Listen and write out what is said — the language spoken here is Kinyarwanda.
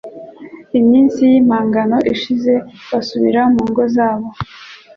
iminsi y impongano ishize basubira mu ngo zabo